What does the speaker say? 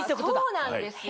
そうなんですよ